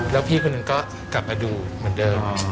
แล้วพี่คนหนึ่งก็กลับมาดูเหมือนเดิม